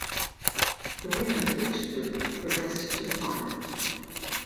The winner of each group progressed to the final.